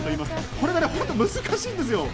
これが本当に難しいんですよ。